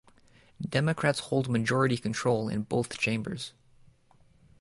Democrats hold majority control in both chambers.